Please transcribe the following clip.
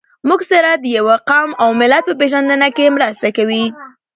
موږ سره د يوه قوم او ملت په پېژنده کې مرسته کوي.